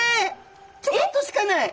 ちょこっとしかない。